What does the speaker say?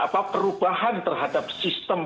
perubahan terhadap sistem